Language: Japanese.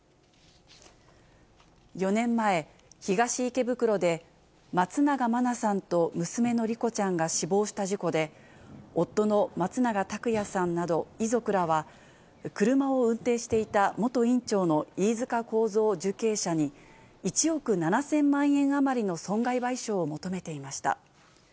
４年前、東池袋で、松永真菜さんと娘の莉子ちゃんが死亡した事故で、夫の松永拓也さんなど遺族らは、車を運転していた元院長の飯塚幸三受刑者に、１億７０００万円余りの損害賠償を求めていました。